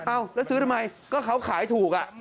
อ้าวแล้วซื้อทำไมก็เขาขายถูกอ่ะ